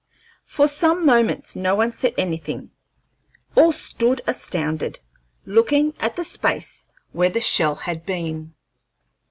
For some moments no one said anything; all stood astounded, looking at the space where the shell had been.